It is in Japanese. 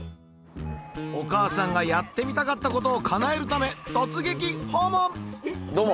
お母さんがやってみたかったことをかなえるため突撃訪問！どうも。